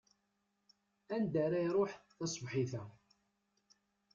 Anda ara iṛuḥ tasebḥit-a?